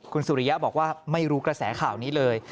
คุณสุริยะบอกว่าไม่รู้กระแสข่าวนี้เลย